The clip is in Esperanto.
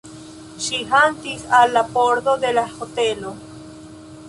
Ŝi hastis al la pordo de la hotelo.